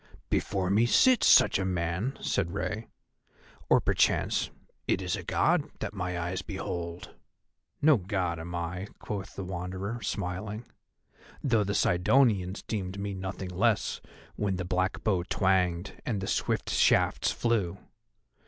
"Before me sits such a man," said Rei, "or perchance it is a God that my eyes behold." "No God am I," quoth the Wanderer, smiling, "though the Sidonians deemed me nothing less when the black bow twanged and the swift shafts flew.